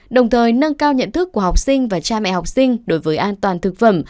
đồng thời nâng cao nhận thức của học sinh và cha mẹ học sinh đối với an toàn thực phẩm